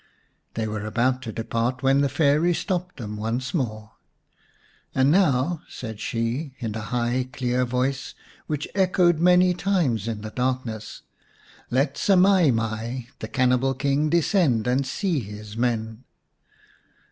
They were about to depart when the Fairy stopped them once more. 168 xiv The Story of Semai mai " And now," said she, in a high clear voice, which echoed many times in the darkness, " let Semai mai, the cannibal King, descend and see his men."